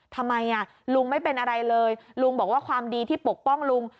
ทำไมลุงไม่เป็นอะไรเลยลุงบอกว่าความดีที่ปกป้องลุง